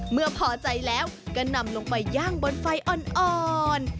เมื่อพอใจแล้วก็นำลงไปย่างบนไฟอ่อน